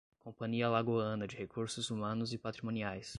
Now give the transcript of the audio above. Companhia Alagoana de Recursos Humanos e Patrimoniais